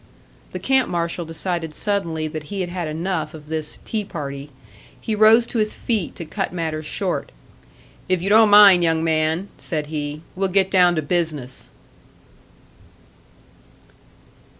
The camp marshal decided suddenly that he had had enough of this "tea party." He rose to his feet to cut matters short. "If you don't mind, young man," said he, "we'll get down to business!"